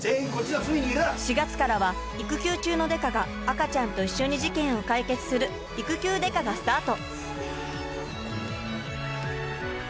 ４月からは育休中の刑事が赤ちゃんと一緒に事件を解決する「育休刑事」がスタート！